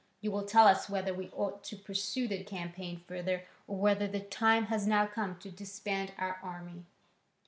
You will tell us whether we ought to pursue the campaign further or whether the time has now come to disband our army."